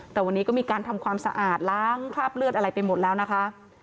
แต่วันนี้ก็มีการทำความสะอาดล้างคราบเลือดอะไรไปหมดแล้วนะคะ